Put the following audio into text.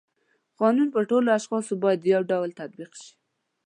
قانون په ټولو اشخاصو باید یو ډول تطبیق شي.